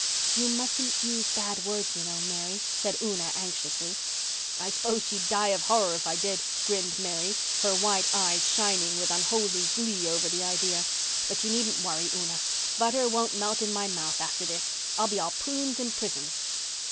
"You mustn't use bad words, you know, Mary," said Una anxiously. "I s'pose she'd die of horror if I did," grinned Mary, her white eyes shining with unholy glee over the idea. "But you needn't worry, Una. Butter won't melt in my mouth after this. I'll be all prunes and prisms."